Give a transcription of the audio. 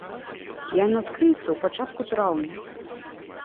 Яно адкрыецца ў пачатку траўня.